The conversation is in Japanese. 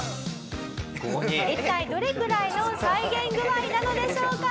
一体どれくらいの再現具合なのでしょうか？